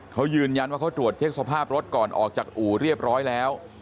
เขายืนยันว่าเขาตรวจเช็คสภาพรถก่อนออกจากอู่เรียบร้อยแล้ว